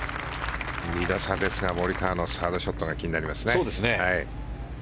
２打差ですがモリカワのサードショットが気になりますね。